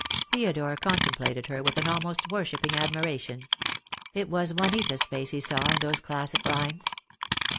Theodore contemplated her with an almost worshipping admiration. It was Juanita's face he saw in those classic lines.